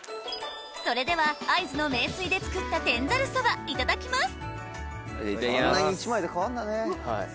それでは会津の名水で作った天ざるそばいただきますいただきます。